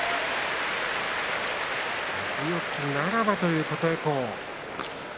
四つならばという琴恵光。